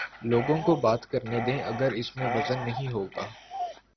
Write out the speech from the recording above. لوگوں کو بات کر نے دیں اگر اس میں وزن نہیں ہو گا۔